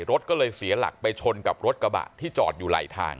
รถสี้ลักษณ์ไปชนกับรถกระบะที่จอดอยู่ไหลทาง